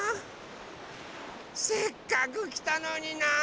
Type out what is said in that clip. せっかくきたのになあ。